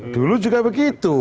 dulu juga begitu